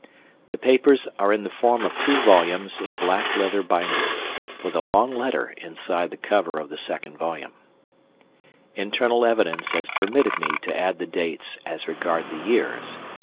The papers are in the form of two volumes in black leather binding, with a long letter inside the cover of the second volume. _Internal evidence has permitted me to add the dates as regards the years.